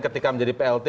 ketika menjadi plt